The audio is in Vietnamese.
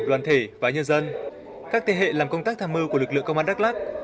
đoàn thể và nhân dân các thế hệ làm công tác tham mưu của lực lượng công an đắk lắc